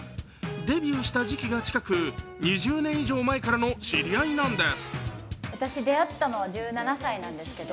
デビューした時期が近く２０年以上前からの知り合いなんです。